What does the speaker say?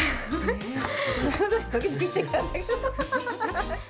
ドキドキしてきたんだけど。